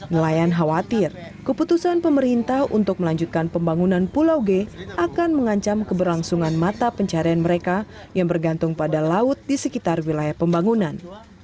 nelayan khawatir keputusan pemerintah untuk melanjutkan pembangunan pulau g akan mengancam keberlangsungan mata pencarian mereka yang bergantung pada laut di sekitar wilayah pembangunan